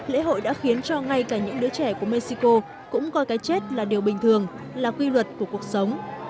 lễ hội đã khiến cho ngay cả những đứa trẻ của mexico cũng coi cái chết là điều bình thường là quy luật của cuộc sống